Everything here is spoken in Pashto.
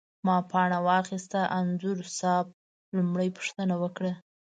ما پاڼه واخسته، انځور صاحب لومړۍ پوښتنه وکړه.